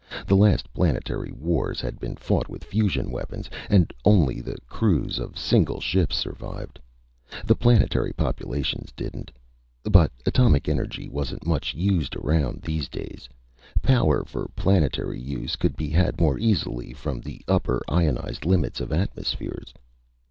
The last planetary wars had been fought with fusion weapons, and only the crews of single ships survived. The planetary populations didn't. But atomic energy wasn't much used aground, these days. Power for planetary use could be had more easily from the upper, ionized limits of atmospheres.